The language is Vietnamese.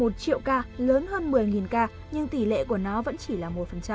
một triệu ca lớn hơn một mươi ca nhưng tỷ lệ của nó vẫn chỉ là một